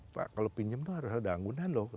pak kalau pinjem tuh harus ada anggunan lho